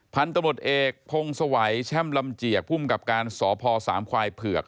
พันธมตเอกพงศวัยแช่มลำเจียกภูมิกับการสพสามควายเผือก